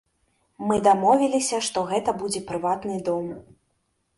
Мы дамовіліся, што гэта будзе прыватны дом.